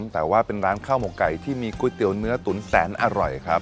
แต่ว่าเป็นร้านข้าวหมกไก่ที่มีก๋วยเตี๋ยเนื้อตุ๋นแสนอร่อยครับ